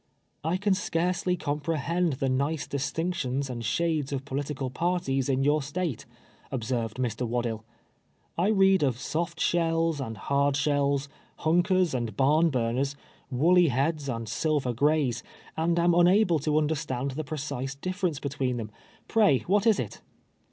" I can scarcely comprehend the nice distinc tions and shades of political parties in your State," observed Mr. Waddill. " I read of soft shells and hard shells, hunkers and barnburners, woolly heads and silver grays, and am unable to understand the precise difference between them. Pray, what is it